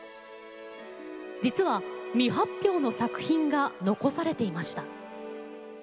実は未発表の作品が残されていました。